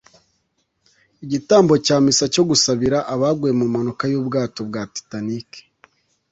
Igitambo cya Misa yo gusabira abaguye mu mpanuka y'ubwato bwa Titanic